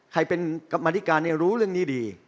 ใครเป็นกรรมธิการรู้เรื่องนี้ดี